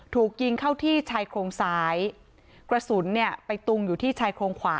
ถูกยิงเข้าที่ชายโครงซ้ายกระสุนเนี่ยไปตุงอยู่ที่ชายโครงขวา